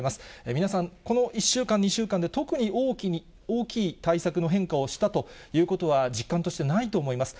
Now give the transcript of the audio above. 皆さん、この１週間、２週間で特に大きい対策の変化をしたということは実感としてないと思います。